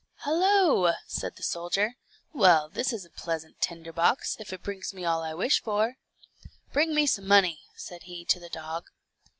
"Hallo," said the soldier; "well this is a pleasant tinderbox, if it brings me all I wish for." "Bring me some money," said he to the dog.